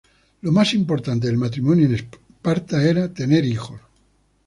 Lo más importante del matrimonio en Esparta era tener hijos.